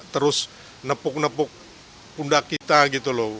terus nepuk nepuk unda kita gitu loh